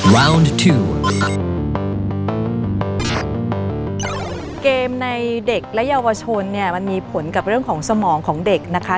เกมในเด็กและเยาวชนเนี่ยมันมีผลกับเรื่องของสมองของเด็กนะคะ